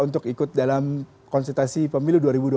untuk ikut dalam konsultasi pemilu dua ribu dua puluh